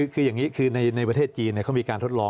คืออย่างนี้คือในประเทศจีนเขามีการทดลอง